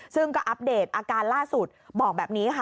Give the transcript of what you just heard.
ซึ่งก็อัปเดตอาการล่าสุดบอกแบบนี้ค่ะ